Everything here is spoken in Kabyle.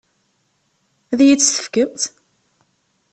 Ad iyi-tt-tefkemt?